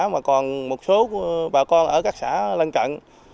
mà còn một số bà con ở các xã lân cận